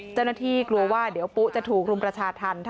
เจ้าหน้าที่กลัวว่าเดี๋ยวปุ๊จะถูกรุมประชาธรรม